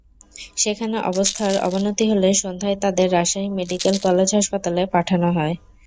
সেখানে অবস্থার অবনতি হলে সন্ধ্যায় তাঁদের রাজশাহী মেডিকেল কলেজ হাসপাতালে পাঠানো হয়।